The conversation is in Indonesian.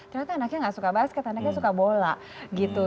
ternyata anaknya gak suka basket anaknya suka bola gitu